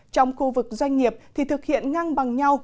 trong khu vực doanh nghiệp thì thực hiện ngang bằng nhau